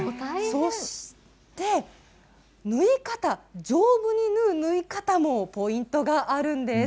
そして縫い方丈夫に縫うポイントがあるんです。